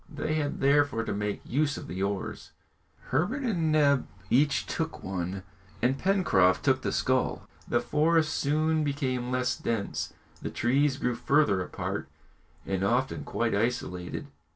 They had therefore to make use of the oars, Herbert and Neb each took one, and Pencroft took the scull. The forest soon became less dense, the trees grew further apart and often quite isolated.